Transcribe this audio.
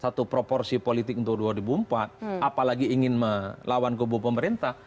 satu proporsi politik untuk dua ribu empat apalagi ingin melawan kubu pemerintah